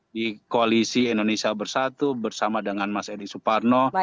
di koalisi indonesia bersatu bersama dengan mas edi suparno